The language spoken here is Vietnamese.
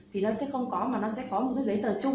thì nó sẽ không có và nó sẽ có một cái giấy tờ chung